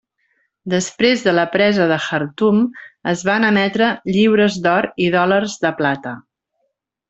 Després de la presa de Khartum es van emetre lliures d'or i dòlars de plata.